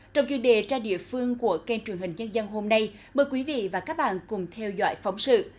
trong chuyên đề ra địa phương của kênh truyền hình nhân dân hôm nay mời quý vị và các bạn cùng theo dõi phóng sự